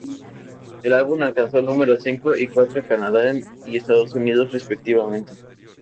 El álbum alcanzó el número cinco y cuatro en Canadá y Estados Unidos, respectivamente.